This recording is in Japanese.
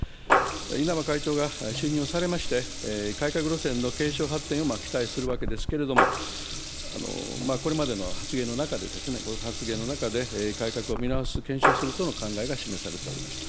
稲葉会長が信任をされまして、改革路線の継承発展を期待するわけですけれども、これまでの発言の中で、ご発言の中で、改革を見直す、検証するとの考えが示されておりました。